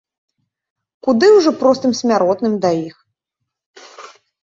Куды ўжо простым смяротным да іх!